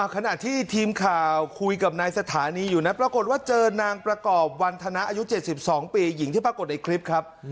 ขณะที่ทีมข่าวคุยกับนายสถานีอยู่นะปรากฏว่าเจอนางประกอบวันธนาอายุ๗๒ปีหญิงที่ปรากฏในคลิปครับ